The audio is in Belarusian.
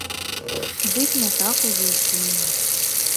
Дык не так ужо і сумна.